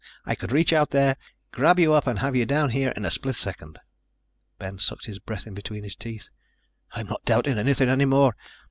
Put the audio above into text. I could reach out there, grab you up and have you down here in a split second." Ben sucked his breath in between his teeth. "I'm not doubting anything any more.